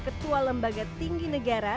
ketua lembaga tinggi negara